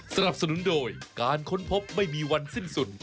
สนับสนุนโดยการค้นพบไม่มีวันสิ้นสุด